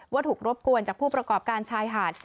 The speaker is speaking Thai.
ถูกรบกวนจากผู้ประกอบการชายหาด